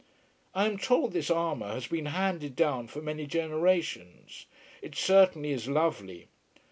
I am told this armour has been handed down for many generations. It certainly is lovely.